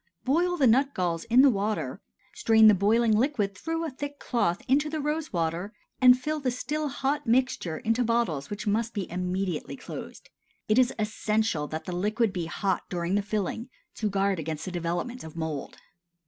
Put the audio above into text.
Boil the nut galls in the water, strain the boiling liquid through a thick cloth into the rose water, and fill the still hot mixture into bottles which must be immediately closed. (It is essential that the liquid be hot during the filling, to guard against the development of mould.)